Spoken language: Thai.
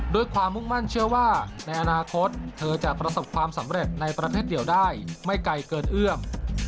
ด้วยความมุ่งมั่นเชื่อว่าในอนาคตเธอจะประสบความสำเร็จในประเทศเดียวได้ไม่ไกลเกินเอื้อม